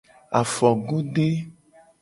Afogode.